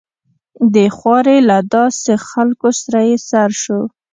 د خوارې له داسې خلکو سره يې سر شو.